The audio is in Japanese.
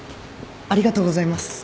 ありがとうございます。